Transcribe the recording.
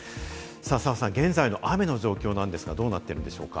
澤さん、現在の雨の状況ですが、どうなっているでしょうか？